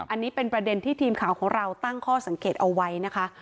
อันนี้เป็นประเด็นที่ทีมข่าวของเราตั้งข้อสังเกตเอาไว้นะคะ